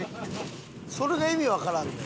それが意味わからんねん。